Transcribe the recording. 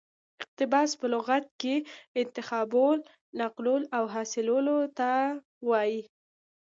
اقتباس په لغت کښي انتخابولو، نقلولو او حاصلولو ته وايي.